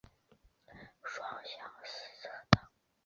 双向四车道。